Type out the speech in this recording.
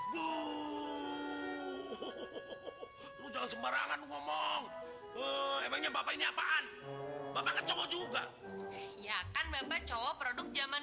bu mau jangan sembarangan ngomong emangnya bapak ini apaan bapak kecokok juga ya kan bapak cowok produk zaman